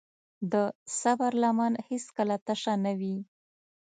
د صبر لمن هیڅکله تشه نه وي.